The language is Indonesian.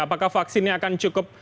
apakah vaksinnya akan cukup